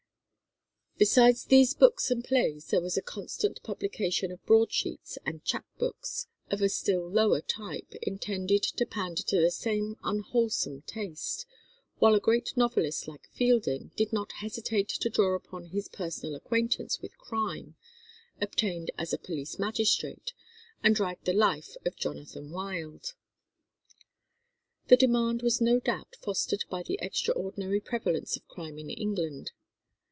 Besides these books and plays there was a constant publication of broad sheets and chap books of a still lower type, intended to pander to the same unwholesome taste, while a great novelist like Fielding did not hesitate to draw upon his personal acquaintance with crime, obtained as a police magistrate, and write the life of Jonathan Wild. The demand was no doubt fostered by the extraordinary prevalence of crime in England.